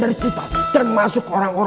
berada di luar